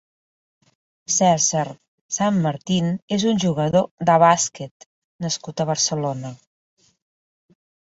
César Sanmartín és un jugador de bàsquet nascut a Barcelona.